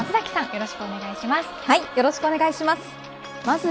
よろしくお願いします。